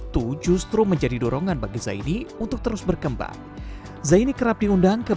trust dari masyarakat itu semakin kuat